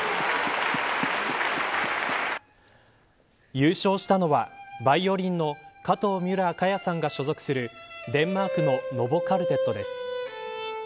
優勝したのは、バイオリンの加藤ミュラー香耶さんが所属するデンマークのノボ・カルテットです。